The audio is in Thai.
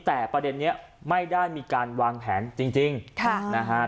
แต่ประเด็นนี้ไม่ได้มีการวางแผนจริงค่ะนะฮะ